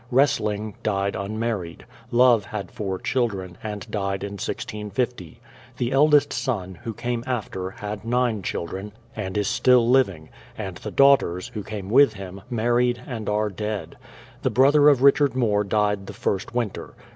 Wrestling died unmarried. Love had four children, and died in 1650. The eldest son, who came after, had nine children, and is still living; and the daughters, who came with him, married, and are dead. The brother of Richard More died the first winter.